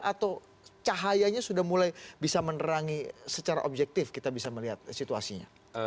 atau cahayanya sudah mulai bisa menerangi secara objektif kita bisa melihat situasinya